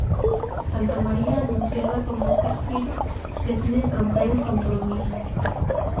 Tanto María Anunciada como Sigfrido deciden romper el compromiso.